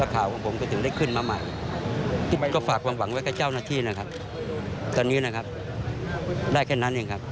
ว่าข่าวของผมก็ถึงได้ขึ้นมาใหม่ก็ฝากหวังไว้กับเจ้าหน้าที่นะครับ